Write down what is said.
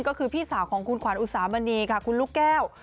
ก็คือพี่สาวของคุณขวัญอุสามณีค่ะคุณลูกแก้ว